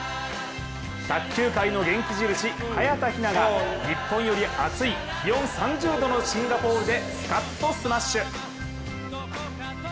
卓球界の元気印・早田ひなが日本より暑い気温３０度のシンガポールでスカッとスマッシュ！